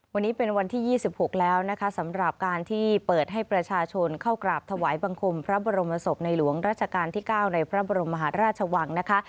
วันนี้เป็นวันที่๒๖แล้วนะคะสำหรับการที่เปิดให้ประชาชนเข้ากราบถวายบังคมพระบรมศพในหลวงราชการที่๙ในพระบรมมหาราชวังนะคะ